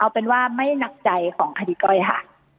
เอาเป็นว่าไม่หนักใจของคดีก้อยค่ะ